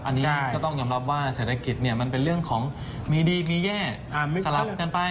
อันนี้ก็ต้องยอมรับว่าเศรษฐกิจมันเป็นเรื่องของมีดีมีแย่สลับกันไป